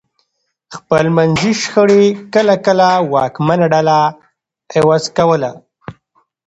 خپلمنځي شخړې کله کله واکمنه ډله عوض کوله